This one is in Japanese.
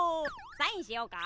サインしようか？